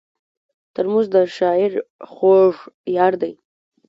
ترموز د شاعر خوږ یار دی.